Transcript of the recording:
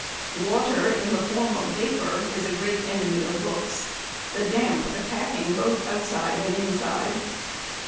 Water in the form of vapour is a great enemy of books, the damp attacking both outside and inside.